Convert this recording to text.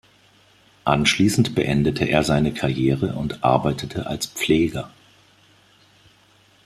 Anschließend beendete er seine Karriere und arbeitete als Pfleger.